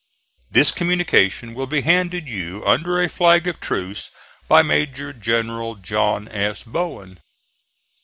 This communication will be handed you under a flag of truce, by Major General John S. Bowen."